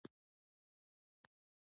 نشه روغتیا زیانمنوي .